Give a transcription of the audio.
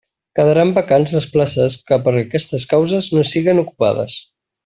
Quedaran vacants les places que per aquestes causes no siguen ocupades.